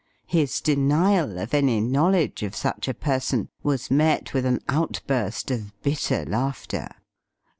His denial of any knowledge of such a person was met with an outburst of bitter laughter.